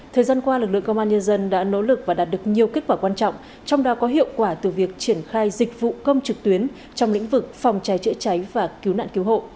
thời gian qua lực lượng công an nhân dân đã nỗ lực và đạt được nhiều kết quả quan trọng trong đó có hiệu quả từ việc triển khai dịch vụ công trực tuyến trong lĩnh vực phòng cháy chữa cháy và cứu nạn cứu hộ